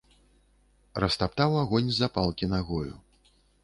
Растаптаў агонь з запалкі нагою.